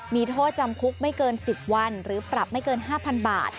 มีโทษจำคุกไม่เกิน๑๐วันหรือปรับไม่เกิน๕๐๐๐บาท